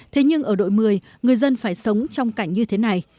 thế nhưng ở đội một mươi người dân phải sống trong cảnh như thế này